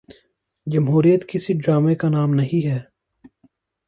جمہوریت کسی ڈرامے کا نام نہیں ہے۔